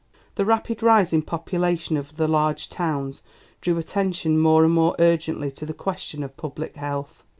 The rapid rise in population of the large towns drew attention more and more urgently to the question of public health.